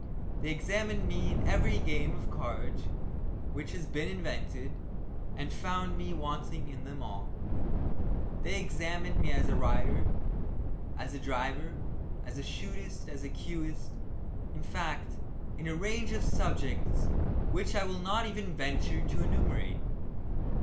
They examined me in every game of cards which has been invented and found me wanting in them all. They examined me as a rider, as a driver, as a shootist, as a cueist, in fact, in a range of subjects which I will not even venture to enumerate.